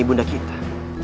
ini bunda kita